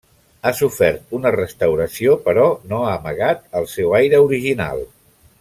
Ha sofert una restauració però no ha amagat el seu aire original.